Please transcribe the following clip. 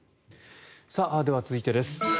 では続いてです。